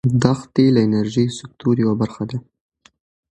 دښتې د انرژۍ سکتور یوه برخه ده.